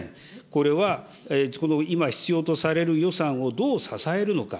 これは今必要とされる予算をどう支えるのか。